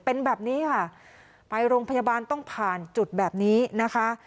เป็นแบบนี้ค่ะไปโรงพยาบาลต้องผ่านจุดแบบนี้นะคะ